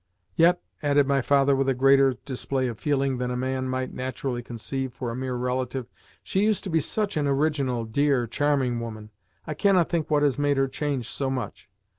Yet," added my father with a greater display of feeling than a man might naturally conceive for a mere relative, "she used to be such an original, dear, charming woman! I cannot think what has made her change so much.